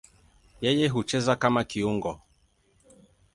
Yeye hucheza kama kiungo.